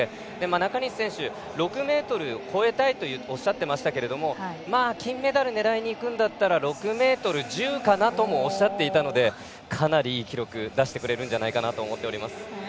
中西選手、６ｍを超えたいとおっしゃってましたが金メダルを狙うなら６ｍ１０ｃｍかなともおっしゃっていたのでかなりいい記録を出してくれるんじゃないかなと思っています。